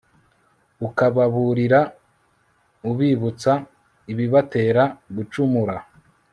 ukababurira, ubibutsa ibibatera gucumura